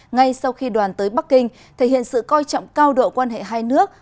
ngay sau khi đoàn tới bắc kinh thể hiện sự coi trọng cao độ quan hệ hai nước